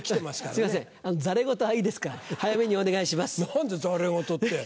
すみませんざれ言はいいですから早めにお願いします。